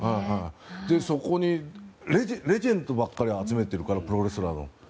そこに、レジェンドばっかりを集めているからプロレスラーの。